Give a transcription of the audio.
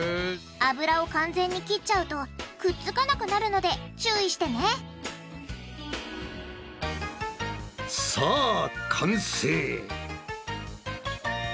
油を完全に切っちゃうとくっつかなくなるので注意してねさあ完成！